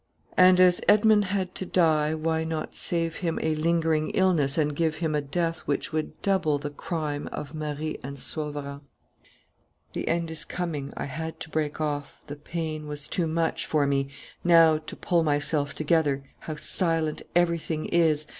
And as Edmond had to die, why not save him a lingering illness and give him a death which would double the crime of Marie and Sauverand? "The end is coming. I had to break off: the pain was too much for me. Now to pull myself together.... How silent everything is!